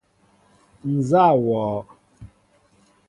Nzá wɔɔ ?